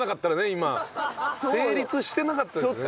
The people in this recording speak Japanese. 今成立してなかったですね。